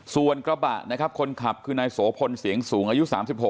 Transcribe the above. ส่วนกระบะนะครับคนขับคือนายโสพลเสียงสูงอายุ๓๖